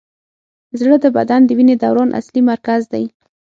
زړه د بدن د وینې دوران اصلي مرکز دی.